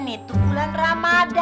itu bulan ramadhan